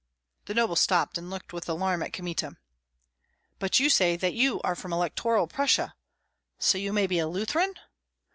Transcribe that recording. The noble stopped and looked with alarm at Kmita, "But you say that you are from Electoral Prussia, so you may be a Lutheran?"